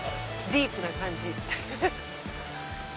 ディープな感じフフフ。